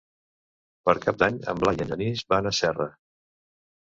Per Cap d'Any en Blai i en Genís van a Serra.